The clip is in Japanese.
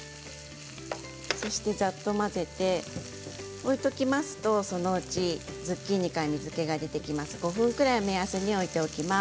ざっと混ぜて置いておきますとそのうちズッキーニから水けが出てきます。